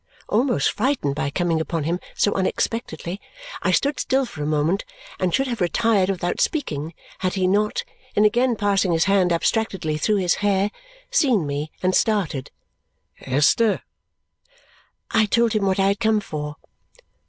Almost frightened by coming upon him so unexpectedly, I stood still for a moment and should have retired without speaking had he not, in again passing his hand abstractedly through his hair, seen me and started. "Esther!" I told him what I had come for.